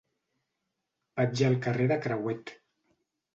Vaig al carrer de Crehuet.